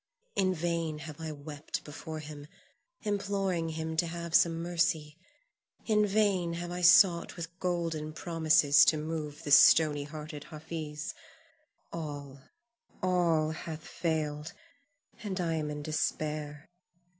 In vain have I wept before him, imploring him to have some mercy; in vain have I sought with golden promises to move the stony hearted Hafiz, all, all hath failed, and I am in despair.